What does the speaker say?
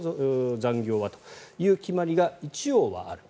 残業はという決まりが一応はある。